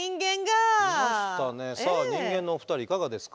さあ人間のお二人いかがですか？